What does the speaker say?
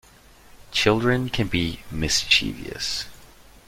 Children can be mischievous.